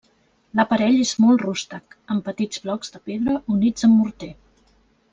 L'aparell és molt rústec, amb petits blocs de pedra units amb morter.